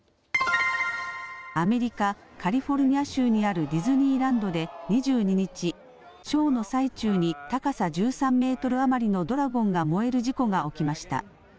アメリカ・カリフォルニア州にあるディズニーランドで２２日、ショーの最中に高さ１３メートル余りのドラゴンが燃える事故が起きました。